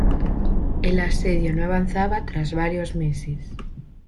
El asedio no avanzaba tras varios meses.